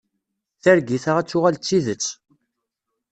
Targit-a ad tuɣal d tidet.